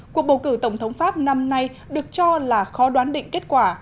cuộc bầu cử tổng thống pháp năm nay được cho là khó đoán định kết quả